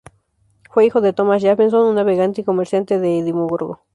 Fue hijo de Thomas Jameson, un navegante y comerciante de Edimburgo.